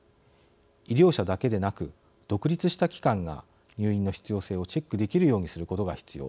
医療者だけでなく独立した機関が入院の必要性をチェックできるようにすることが必要。